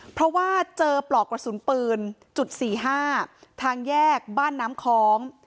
เพราะว่าเจอปลอกกระสุนปืนจุด๔๕ทางแยกบ้านน้ำคล้อง